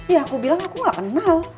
ya aku bilang aku gak kenal